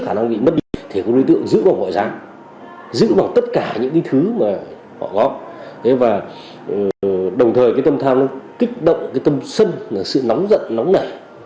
hồng thời cái tâm tham nó kích động cái tâm sân là sự nóng giận nóng nảy